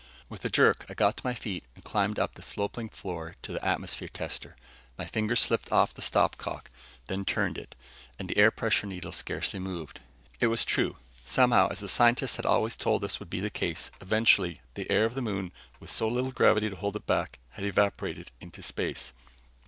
With a jerk, I got to my feet and climbed up the sloping floor to the atmosphere tester. My fingers slipped off the stop cock, then turned it. And the air pressure needle scarcely moved. It was true. Somehow, as the scientists had always told us would be the case eventually, the air of the moon, with so little gravity to hold it back, had evaporated into space.